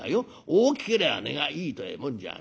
大きけりゃ値がいいてえもんじゃないんだ。